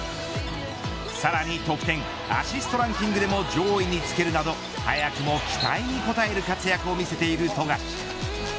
さらに得点、アシストランキングでも上位につけるなど早くも期待に応える活躍を見せている富樫。